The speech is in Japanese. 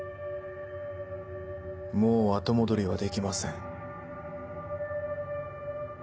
もう後戻りはできません。